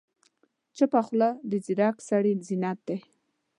چپه خوله، د ځیرک سړي زینت دی.